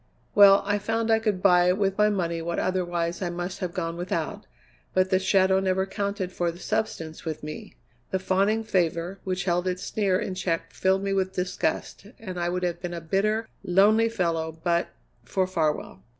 Well, I found I could buy with my money what otherwise I must have gone without, but the shadow never counted for the substance with me. The fawning favour, which held its sneer in check, filled me with disgust, and I would have been a bitter, lonely fellow but for Farwell.